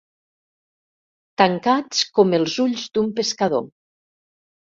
Tancats com els ulls d'un pescador.